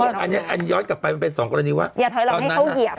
เดี๋ยวถอยรับให้เขาเหยียบ